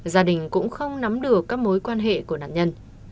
gia đình cũng không nắm được các mối quan hệ của nạn nhân